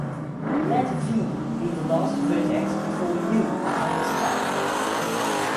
Let "v" be the last vertex before "u" on this path.